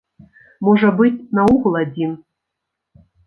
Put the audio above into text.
Можа быць, наогул адзін.